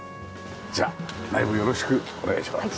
じゃあ内部よろしくお願いします。